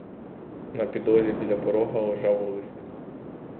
На підлозі біля порога лежав лист.